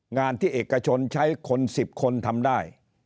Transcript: งานที่เอกชนใช้คน๑๐คนทำได้